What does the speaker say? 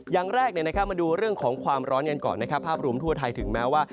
อย่างแรกมาดูเรื่องของความร้อนกันก่อนนะครับภาพรวมทั่วไทยถึงแม้ว่า